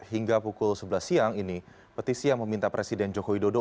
hingga pukul sebelas siang ini petisi yang meminta presiden joko widodo